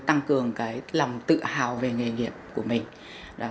tăng cường lòng tự hào về nghề nghiệp của mình